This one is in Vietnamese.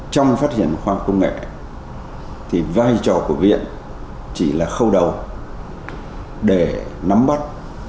trong phát triển khoa học công nghệ thì vai trò của viện chỉ là khâu đầu để nắm bắt